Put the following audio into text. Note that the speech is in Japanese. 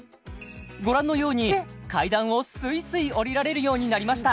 ご覧のように階段をスイスイ下りられるようになりました